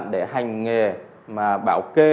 để hành nghề mà bảo kê